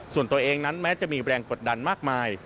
ส่วนตัวเองนั้นแม้จะมีแรงกดดันมากมาย